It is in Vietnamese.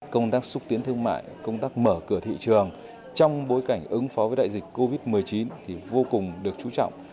công tác xúc tiến thương mại công tác mở cửa thị trường trong bối cảnh ứng phó với đại dịch covid một mươi chín thì vô cùng được chú trọng